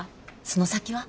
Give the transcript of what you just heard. その先は？